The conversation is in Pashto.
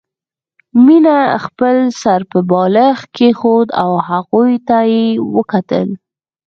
مينې خپل سر پر بالښت کېښود او هغوی ته يې وکتل